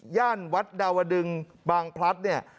ย่านวัดดาวดึงบางพลัดเนี่ย